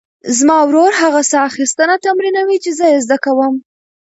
زما ورور هغه ساه اخیستنه تمرینوي چې زه یې زده کوم.